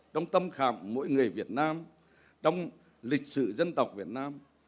trong tâm khảm mỗi người việt nam trong lịch sử dân tộc việt nam